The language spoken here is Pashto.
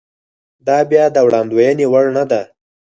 دا بیا د وړاندوېنې وړ نه ده.